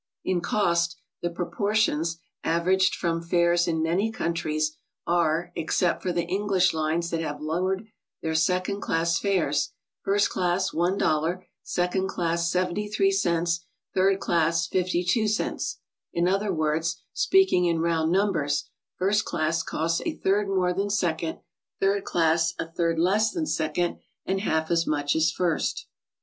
In cost the proportions, averaged from fares in many countries, are, except for the English lines that have low ered their second class fares: First class, $i; second class, $0.73; third class, $0.52. In other words, speaking in round numbers, first class costs a third more than second; third class, a third less than second, and half as much as first.